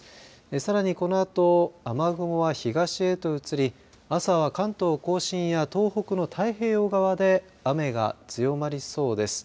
さらに、このあと雨雲は東へと移り朝は関東甲信や東北の太平洋側で雨が強まりそうです。